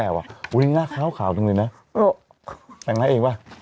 ตอนนี้หน้าคาวขาวไปเลยนะ